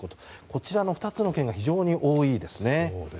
こちらの２つの県が非常に多いですね。